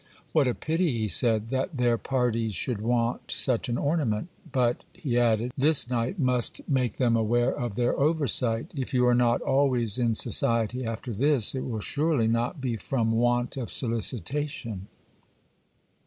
'What a pity,' he said, 'that their parties should want such an ornament! but,' he added, 'this night must make them aware of their oversight: if you are not always in society after this, it will surely not be from want of solicitation.